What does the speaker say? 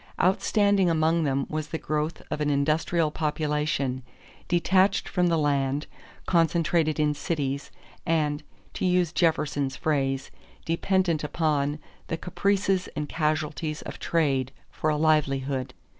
Outstanding among them was the growth of an industrial population, detached from the land, concentrated in cities, and, to use Jefferson's phrase, dependent upon "the caprices and casualties of trade" for a livelihood.